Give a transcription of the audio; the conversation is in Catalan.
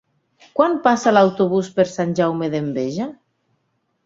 Quan passa l'autobús per Sant Jaume d'Enveja?